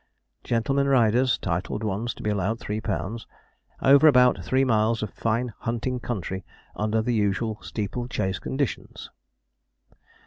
Gentlemen riders (titled ones to be allowed 3 lb.). Over about three miles of fine hunting country, under the usual steeple chase conditions.